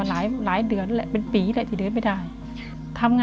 ลูกชายชื่อสวมชาย